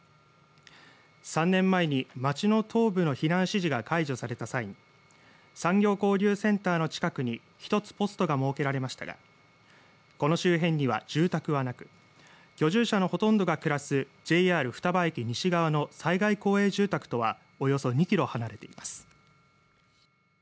３年前に町の東部の避難指示が解除された際に産業交流センターの近くに１つポストが設けられましたがこの周辺には住宅はなく居住者のほとんどが暮らすＪＲ双葉駅西側の災害公営住宅とはおよそ２キロ離れています。